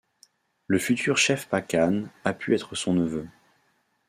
Le futur chef Pacanne a pu être son neveu.